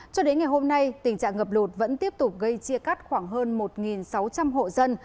cho đến ngày hôm nay tình trạng ngập lụt vẫn tiếp tục gây chia cắt khoảng hơn một sáu trăm linh hộ dân